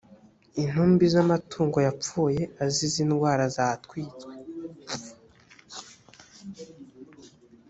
intumbi z’amatungo yapfuye azize indwara zatwitswe